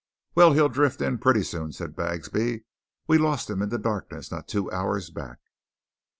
"Well, he'll drift in pretty soon," said Bagsby. "We lost him in the darkness not two hours back."